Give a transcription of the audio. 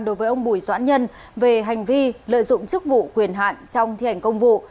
đối với ông bùi doãn nhân về hành vi lợi dụng chức vụ quyền hạn trong thi hành công vụ